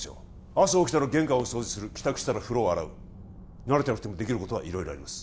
朝起きたら玄関を掃除する帰宅したら風呂を洗う慣れてなくてもできることは色々あります